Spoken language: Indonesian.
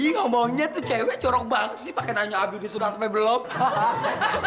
ngomongnya tuh cewek corok banget sih pake nanya abu disunat sampai belum hahaha